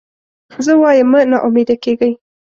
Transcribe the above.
زه وایم مه نا امیده کېږی.